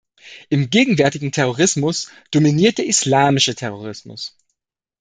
Im gegenwärtigen Terrorismus dominiert der islamische Terrorismus.